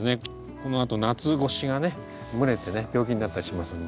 このあと夏越しがね蒸れてね病気になったりしますんで。